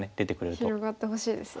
広がってほしいですよね。